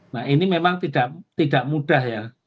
nah ini memang tidak mudah ya